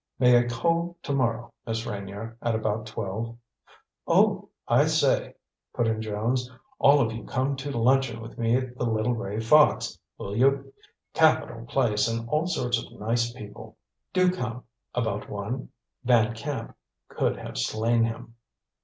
"May I call to morrow, Miss Reynier, at about twelve?" "Oh, I say," put in Jones, "all of you come to luncheon with me at the Little Gray Fox will you? Capital place and all sorts of nice people. Do come. About one." Van Camp could have slain him.